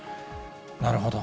なるほど。